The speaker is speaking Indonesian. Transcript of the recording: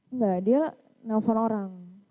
enggak dia nelfon orang